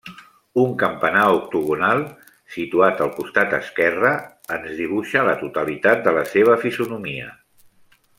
Un campanar octogonal, situat al costat esquerre, ens dibuixa la totalitat de la seva fisonomia.